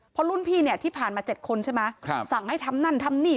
เพราะรุ่นพี่เนี่ยที่ผ่านมา๗คนใช่ไหมสั่งให้ทำนั่นทำนี่